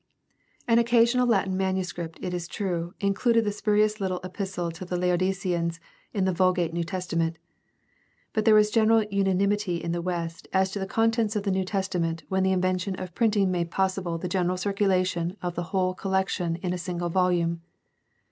— An occasional Latin manuscript^ it is true, included the spurious little Epistle to the Laodiceans in the Vulgate New Testament, but there was general unanimity in the West as to the con tents of the New Testament when the invention of printing made possible the general circulation of the whole collection in a single volume.